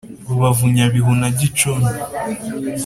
Rubavu Nyabihu na Gicumbi